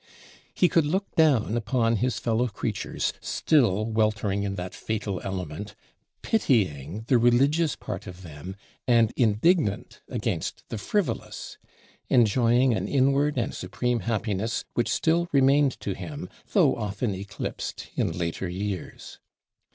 He could look down upon his fellow creatures still "weltering in that fatal element," "pitying the religious part of them and indignant against the frivolous"; enjoying an inward and supreme happiness which still remained to him, though often "eclipsed" in later years.